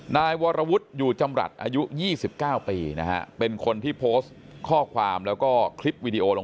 นายวรวุฒิอยู่จำลัด